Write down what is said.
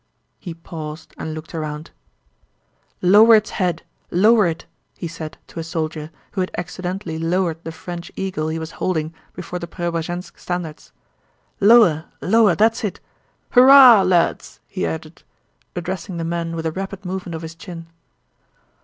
He paused and looked around. "Lower its head, lower it!" he said to a soldier who had accidentally lowered the French eagle he was holding before the Preobrazhénsk standards. "Lower, lower, that's it. Hurrah lads!" he added, addressing the men with a rapid movement of his chin.